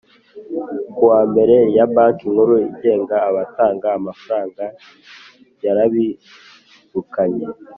kuwa mbere ya Banki Nkuru igenga abatanga amafaranga yarabirukanye